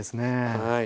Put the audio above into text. はい。